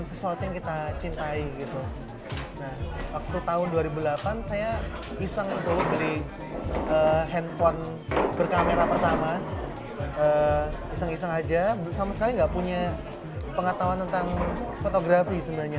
iseng iseng aja sama sekali nggak punya pengetahuan tentang fotografi sebenarnya